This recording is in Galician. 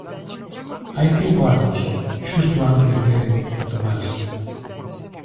Hai cinco anos, xusto antes de... Tomás